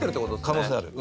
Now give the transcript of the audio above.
可能性ある。